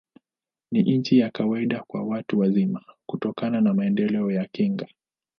Ni chini ya kawaida kwa watu wazima, kutokana na maendeleo ya kinga.